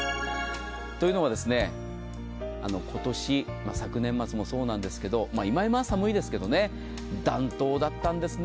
というのも、今年、昨年末もそうなんですけど、今は寒いですけれども、暖冬だったんですね。